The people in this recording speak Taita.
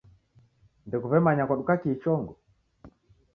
Ndekuw'emanya kwaduka kii chongo?